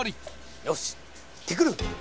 よし行ってくる！